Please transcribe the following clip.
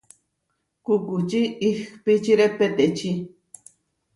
Kukuči ihpíčire peteči.